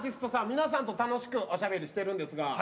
皆さんと楽しくおしゃべりしています。